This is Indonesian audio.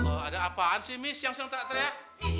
masya allah ada apaan sih miss yang teriak teriak